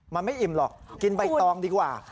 มันไม่อิ่มหรอกกินใบตองดีกว่า